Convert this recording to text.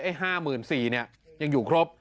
ไอ้๕๔๐๐๐ยังอยู่ครบ